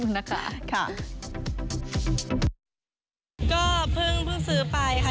แต่งก็พึ่งซื้อไปค่ะ